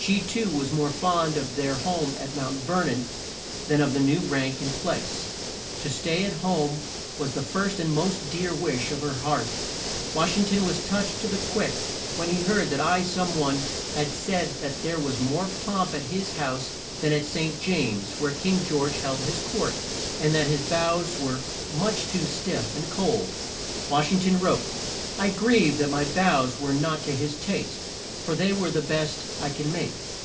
She, too, was more fond of their home at Mount Ver non than of the new rank and place. To stay at home was the first and most dear wish of her heart. Wash ing ton was touched to the quick when he heard that I some one had said that there was more pomp at his house than at St. James, where King George held his court, and that his bows were much too stiff and cold. Wash ing ton wrote, "I grieve that my bows were not to his taste, for they were the best I can make.